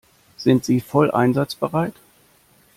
Sind Sie voll einsatzbereit?